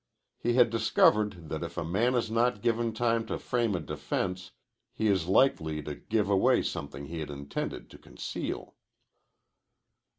He had discovered that if a man is not given time to frame a defense, he is likely to give away something he had intended to conceal.